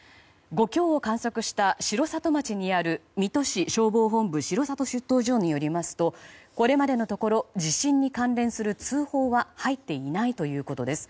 ５強を観測した城里町にある水戸市消防本部城里出張所によりますとこれまでのところ地震に関連する通報は入っていないということです。